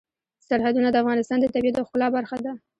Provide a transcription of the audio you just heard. سرحدونه د افغانستان د طبیعت د ښکلا برخه ده.